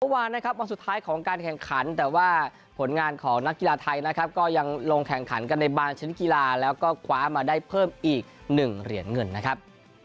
เมื่อวานนะครับวันสุดท้ายของการแข่งขันแต่ว่าผลงานของนักกีฬาไทยนะครับก็ยังลงแข่งขันกันในบางชนิดกีฬาแล้วก็คว้ามาได้เพิ่มอีก๑เหรียญเงินนะครับ